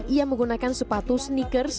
ia menggunakan sepatu sneakers